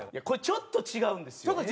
これちょっと違うんですよ。